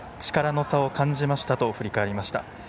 力の差を感じましたと振り返りました。